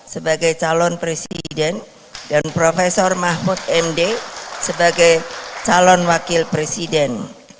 sebagai calon presiden dan profesor mahfud md sebagai calon wakil presiden